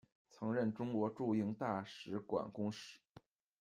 曾任中国驻英大使馆公使。